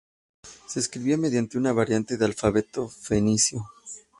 Se escribía mediante una variante del alfabeto fenicio.